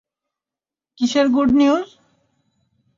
কিসের good news?